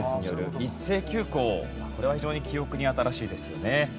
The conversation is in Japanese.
これは非常に記憶に新しいですよね。